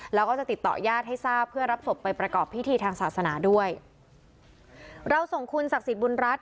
แล้วก็จะติดต่อญาติให้ทราบเพื่อรับศพไปประกอบพิธีทางศาสนาด้วยเราส่งคุณศักดิ์สิทธิบุญรัฐ